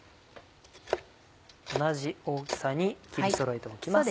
同じ大きさに切りそろえておきます。